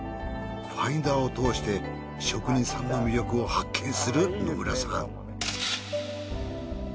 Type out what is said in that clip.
ファインダーを通して職人さんの魅力を発見する野村さん。